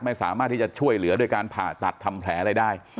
ไม่สามารถที่จะช่วยเหลือด้วยการผ่าตัดทำแผลอะไรได้